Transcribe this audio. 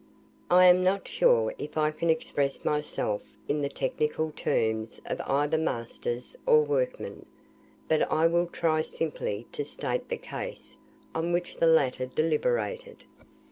I am not sure if I can express myself in the technical terms of either masters or workmen, but I will try simply to state the case on which the latter deliberated.